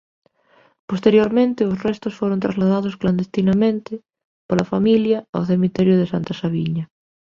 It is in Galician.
Posteriormente os seus restos foron trasladados clandestinamente pola familia ao cemiterio de Santa Sabiña.